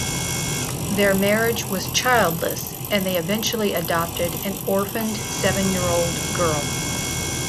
Their marriage was childless, and they eventually adopted an orphaned seven-year-old girl.